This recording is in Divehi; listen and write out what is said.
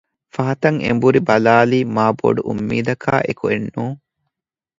ފަހަތަށް އެނބުރި ބަލާލީ މާ ބޮޑު އުއްމީދަކާ އެކުއެއް ނޫން